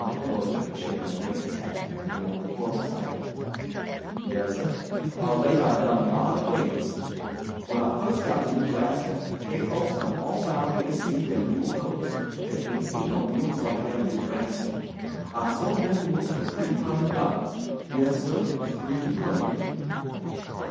Uncle Mose took a chair and laid his hat carefully on the floor beside it. "Yessir; of late I done mouty famous. When I first got to Newbraska, dey folks come all roun' me to see dem mule colts. Dey ain't see no mules like dem in Newbraska. I sold dem mules for three hundred dollars. Yessir—three hundred.